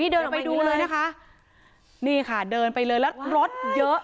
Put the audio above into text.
เดินไปดูเลยนะคะนี่ค่ะเดินไปเลยแล้วรถเยอะ